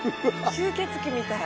吸血鬼みたい。